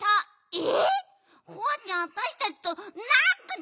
え！